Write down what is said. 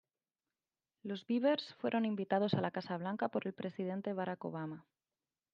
Los Beavers fueron invitados a la Casa Blanca por el presidente Barack Obama.